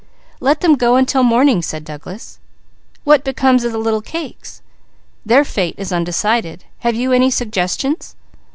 "Let them go until morning," said Douglas. "What becomes of the little cakes?" "Their fate is undecided. Have you any suggestions?"